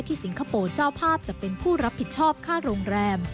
สิงคโปร์เจ้าภาพจะเป็นผู้รับผิดชอบค่าโรงแรม